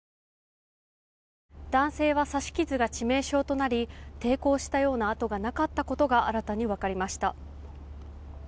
男性は刺し傷が致命傷となり抵抗したような痕がなかったことが新たに分かりました。